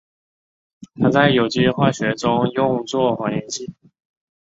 它在有机化学中用作还原剂。